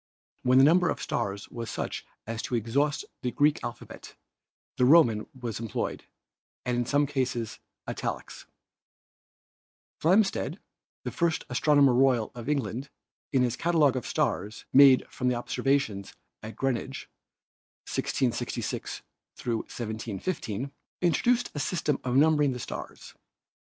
When the number of stars was such as to exhaust the Greek alphabet the Roman was employed and in some cases italics. Flam steed, the first Astronomer Royal of England, in his cata logue of stars made from observations at Greenwich (1666 1715), introduced a system of numbering the stars.